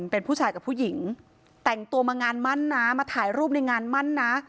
เป็นผู้ชายกับผู้หญิงแต่งตัวมางานมั่นนะมาถ่ายรูปในงานมั่นนะ